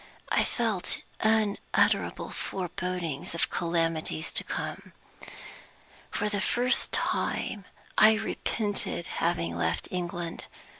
I felt unutterable forebodings of calamities to come. For the first time, I repented having left England.